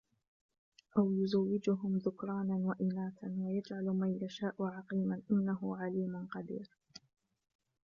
أَوْ يُزَوِّجُهُمْ ذُكْرَانًا وَإِنَاثًا وَيَجْعَلُ مَنْ يَشَاءُ عَقِيمًا إِنَّهُ عَلِيمٌ قَدِيرٌ